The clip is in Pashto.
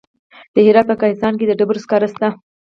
د هرات په کهسان کې د ډبرو سکاره شته.